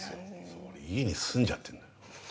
そう俺家に住んじゃってんのよ。